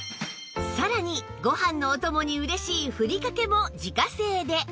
さらにご飯のお供に嬉しいふりかけも自家製で